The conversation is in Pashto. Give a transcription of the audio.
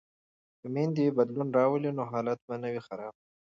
که میندې بدلون راولي نو حالت به نه وي خراب.